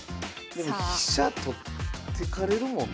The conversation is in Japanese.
でも飛車取ってかれるもんな。